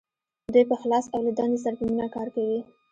دوی په اخلاص او له دندې سره په مینه کار کوي.